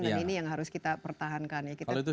dan ini yang harus kita pertahankan